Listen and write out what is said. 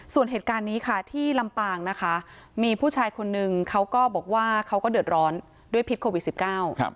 ส่วนเหตุการณ์นี้ค่ะที่ลำปางนะคะมีผู้ชายคนนึงเขาก็บอกว่าเขาก็เดือดร้อนด้วยพิษโควิดสิบเก้าครับ